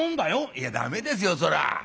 「いや駄目ですよそれは」。